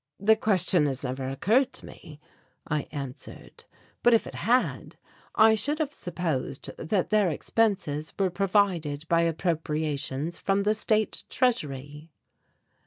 "The question has never occurred to me," I answered, "but if it had, I should have supposed that their expenses were provided by appropriations from the state treasury."